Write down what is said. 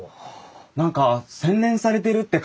何か洗練されてるって感じですね。